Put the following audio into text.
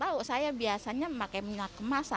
tahu saya biasanya memakai minyak kemasan